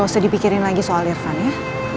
usah dipikirin lagi soal irfan ya